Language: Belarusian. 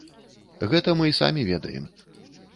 Гэта мы і самі ведаем.